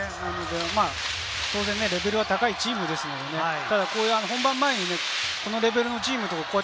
当然レベルが高いチームですから、本番前にこのレベルのチームと。